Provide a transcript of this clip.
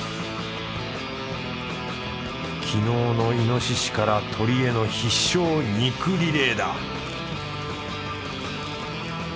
昨日の猪から鶏への必勝肉リレーだ！